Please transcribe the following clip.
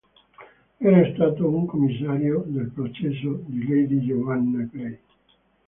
Era stato un commissario del processo di Lady Giovanna Grey.